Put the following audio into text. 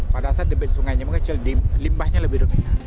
pada saat debit sungainya mengecil limbahnya lebih rumit